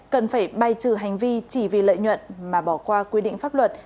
cần phải bay trừ hành vi chỉ vì lợi nhuận mà bỏ qua quy định pháp luật